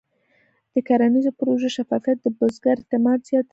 د کرنیزو پروژو شفافیت د بزګر اعتماد زیاتوي.